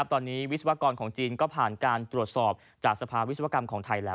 ตอนนี้วิศวกรของจีนก็ผ่านการตรวจสอบจากสภาวิศวกรรมของไทยแล้ว